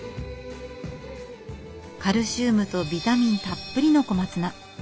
カルシウムとビタミンたっぷりの小松菜。